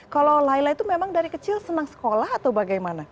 kalau laila itu memang dari kecil senang sekolah atau bagaimana